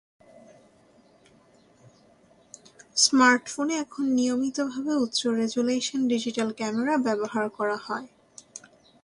স্মার্টফোনে এখন নিয়মিতভাবে উচ্চ রেজল্যুশন ডিজিটাল ক্যামেরা ব্যবহার করা হয়।